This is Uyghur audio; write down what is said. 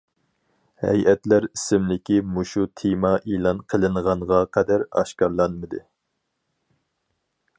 ھەيئەتلەر ئىسىملىكى مۇشۇ تېما ئېلان قىلىنغانغا قەدەر ئاشكارىلانمىدى.